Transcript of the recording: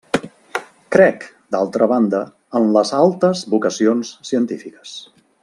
Crec, d'altra banda, en les altes vocacions científiques.